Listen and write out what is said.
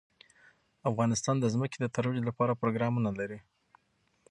افغانستان د ځمکه د ترویج لپاره پروګرامونه لري.